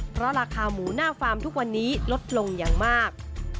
เพราะราคาหมูหน้าฟาร์มทุกวันนี้ลดลงอย่างมาก